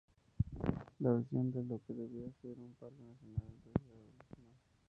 La visión de lo que debía ser un parque nacional en Suecia evolucionó.